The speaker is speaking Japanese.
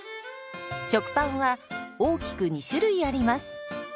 食パンは大きく２種類あります。